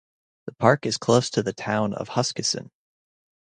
The park is close to the town of Huskisson.